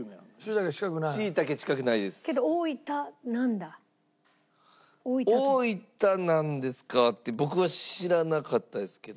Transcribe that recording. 大分なんですかって僕は知らなかったですけど。